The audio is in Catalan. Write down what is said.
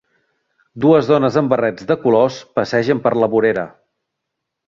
Dues dones amb barrets de colors passegen per la vorera.